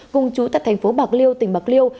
cùng chú tại thành phố bạc liêu tỉnh bạc liêu